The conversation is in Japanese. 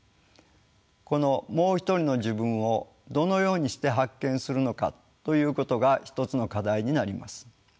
この「もう一人の自分」をどのようにして発見するのかということが一つの課題になります。